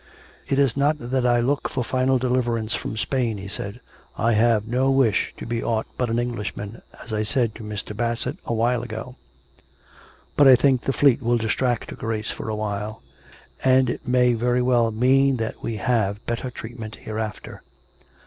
" It is not that I look for final deliverance from Spain," he said. " I have no wish to be aught but an Englishman, as I said to Mr. Bassett a while ago. But I think the fleet will distract her Grace for a while; and it may very well mean that we have better treatment hereafter."